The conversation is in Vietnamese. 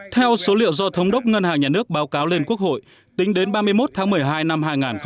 theo số liệu do thống đốc ngân hàng nhà nước báo cáo lên quốc hội tính đến ba mươi một tháng một mươi hai năm hai nghìn một mươi tám